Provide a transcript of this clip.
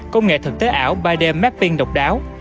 công nghệ thực tế ảo ba d mapping độc đáo